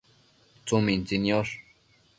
tsumintsi niosh